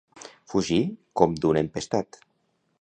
Fugir com d'un empestat.